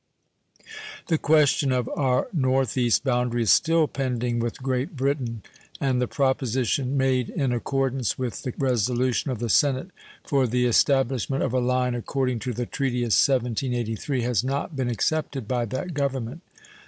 The question of our North East boundary is still pending with Great Britain, and the proposition made in accordance with the resolution of the Senate for the establishment of a line according to the treaty of 1783 has not been accepted by that Government.